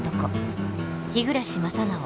日暮正直